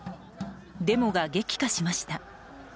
デモが激化しました。